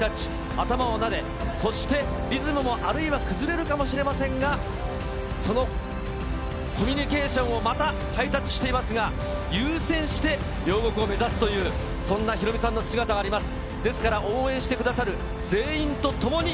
頭をなで、そしてリズムもあるいは崩れるかもしれませんが、そのコミュニケーションを、またハイタッチしていますが、優先して、両国を目指すという、そんなヒロミさんの姿があります。